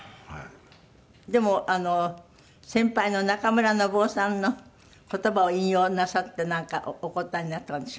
でも先輩の中村伸郎さんの言葉を引用なさってなんかお答えになったんでしょ？